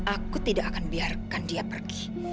aku tidak akan biarkan dia pergi